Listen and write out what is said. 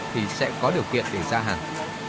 thì sẽ có điều kiện để ra hàng